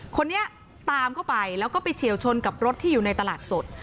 คนนี้ตามเข้าไปแล้วก็ไปเฉียวชนกับรถที่อยู่ในตลาดสด